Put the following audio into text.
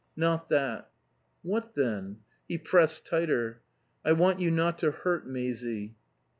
Not that." "What, then?" He pressed tighter. "I want you not to hurt Maisie."